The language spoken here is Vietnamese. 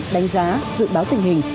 đánh giá dự báo tình hình